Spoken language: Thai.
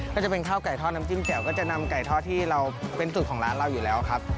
ก็จะเป็นข้าวไก่ทอดน้ำจิ้มแจ่วก็จะนำไก่ทอดที่เราเป็นสูตรของร้านเราอยู่แล้วครับ